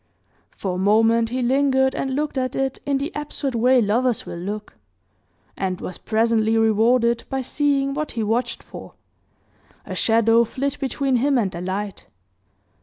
For a moment he lingered and looked at it in the absurd way lovers will look, and was presently rewarded by seeing what he watched for a shadow flit between him and the light.